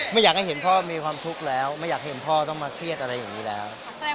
ไม่อยากให้เห็นพ่อมีความทุกข์แล้วไม่อยากเห็นพ่อต้องมาเครียดอะไรอย่างนี้แล้ว